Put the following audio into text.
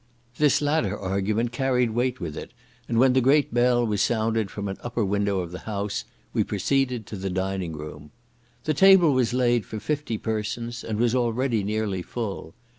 This latter argument carried weight with it, and when the great bell was sounded from an upper window of the house, we proceeded to the dining room. The table was laid for fifty persons, and was already nearly full.